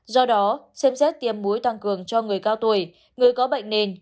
do đó xem xét tiêm muối tăng cường cho người cao tuổi người có bệnh nền